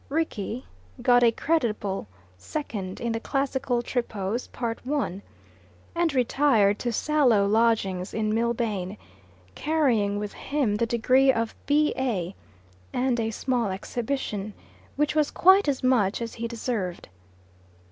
Rickie got a creditable second in the Classical Tripos, Part I., and retired to sallow lodgings in Mill bane, carrying with him the degree of B.A. and a small exhibition, which was quite as much as he deserved.